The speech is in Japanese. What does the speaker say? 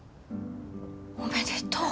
おめでとう。